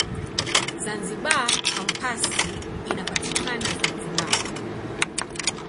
Zanzibar Kampasi inapatikana Zanzibar.